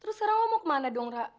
terus sekarang lu mau ke mana dong ra